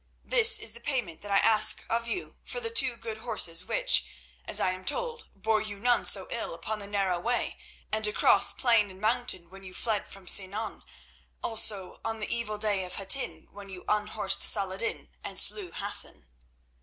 This is the payment that I ask of you for the two good horses which, as I am told, bore you none so ill upon the Narrow Way and across plain and mountain when you fled from Sinan, also on the evil day of Hattin when you unhorsed Salah ed din and slew Hassan."